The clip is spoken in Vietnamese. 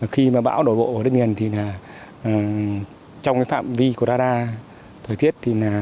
khi bão đổi bộ ở đất nền trong phạm vi của radar thời tiết